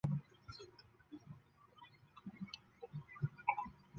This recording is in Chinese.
为王得禄剿平海贼时所建。